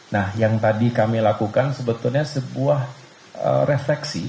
nah yang tadi kami lakukan sebetulnya sebuah refleksi